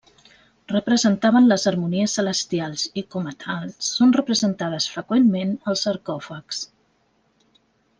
Representaven les harmonies celestials i com a tals són representades freqüentment als sarcòfags.